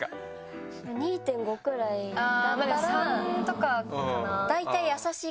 ３とかかな。